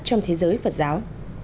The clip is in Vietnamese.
trong thế giới phật giáo